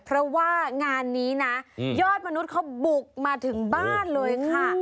เพราะว่างานนี้นะยอดมนุษย์เขาบุกมาถึงบ้านเลยค่ะ